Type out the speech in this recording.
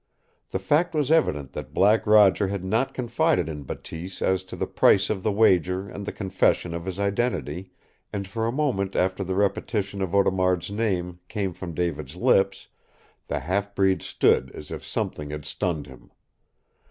The fact was evident that Black Roger had not confided in Bateese as to the price of the wager and the confession of his identity, and for a moment after the repetition of Audemard's name came from David's lips the half breed stood as if something had stunned him.